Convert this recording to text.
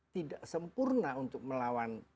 tidak sempurna untuk melawan